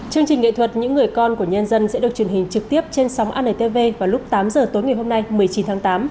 chương trình nghệ thuật những người con của nhân dân sẽ được truyền hình trực tiếp trên sóng antv vào lúc tám giờ tối ngày hôm nay một mươi chín tháng tám